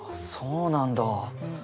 そうなんだ。